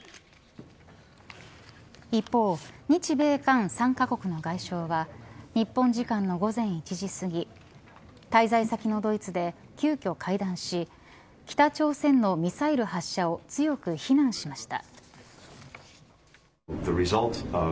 一方、日米韓３カ国の外相は日本時間の午前１時すぎ滞在先のドイツで急きょ会談し北朝鮮のミサイル発射を強く非難しました。